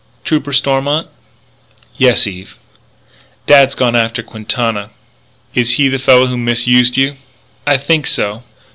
"Trooper Stormont?" "Yes, Eve." "Dad's gone after Quintana." "Is he the fellow who misused you?" "I think so."